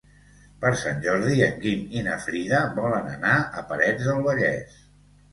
Per Sant Jordi en Guim i na Frida volen anar a Parets del Vallès.